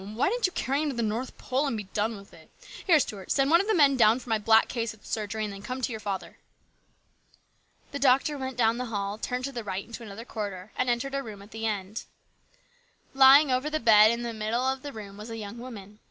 Why didn't you carry him to the North Pole and be done'with it ! Here, Stuart, send one of the men down for my black case at the surgery, and then come to your father." The doctor went down the hall, turned to the right into another corridor, and entered a room at the end. Lying over the bed in the middle of the room was a young woman.